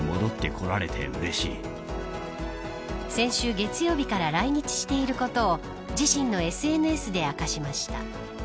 先週月曜日から来日していることを自身のＳＮＳで明かしました。